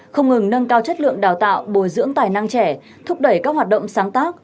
không ngừng nâng cao chất lượng đào tạo bồi dưỡng tài năng trẻ thúc đẩy các hoạt động sáng tác